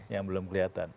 yang belum kelihatan